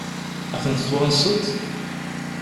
Ad tent-twanseḍ?